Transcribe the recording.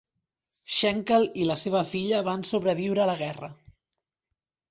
Schenkl i la seva filla van sobreviure a la guerra.